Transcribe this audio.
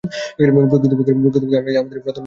প্রকৃতপক্ষে আমরাই আমাদেরই প্রার্থনার উত্তর দিয়ে থাকি।